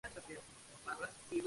Al poniente de Av.